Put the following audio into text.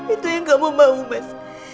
itu yang kamu mau mas